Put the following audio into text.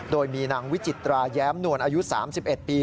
โดยมีนางวิจิตราแย้มนวลอายุ๓๑ปี